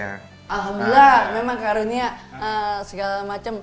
alhamdulillah memang karunia segala macem